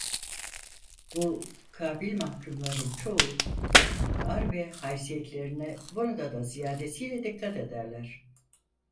Bu kabil mahkumların çoğu, vakar ve haysiyetlerine burada da ziyadesiyle dikkat ederler.